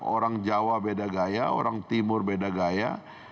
orang jawa beda gaya orang timur beda gaya